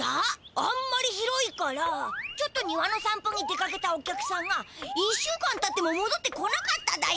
あんまり広いからちょっと庭のさん歩に出かけたお客さんが１週間たってももどってこなかっただよ。